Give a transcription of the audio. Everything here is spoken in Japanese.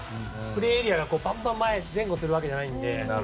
プレーエリアがバンバン前後するわけじゃないので。